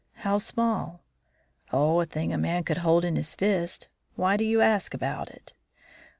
"How small?" "Oh, a thing a man could hold in his fist. Why do you ask about it?"